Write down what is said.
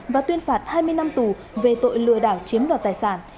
và tuyên phạt hai mươi năm tù về tội lừa đảo chiếm đoạt tài sản